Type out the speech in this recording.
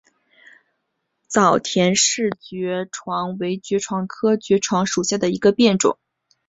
早田氏爵床为爵床科爵床属下的一个变种。